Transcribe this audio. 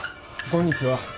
こんにちは。